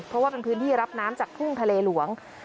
เพราะว่าเป็นพื้นที่รับน้ำจากทุ่งทะเลหลวง